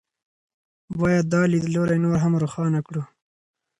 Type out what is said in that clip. باید دا لیدلوری نور هم روښانه کړو.